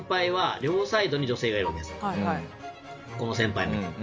この先輩も。